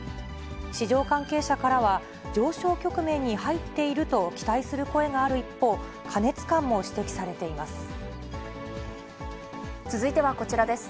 市場関係者からは、上昇局面に入っていると期待する声がある一方、続いてはこちらです。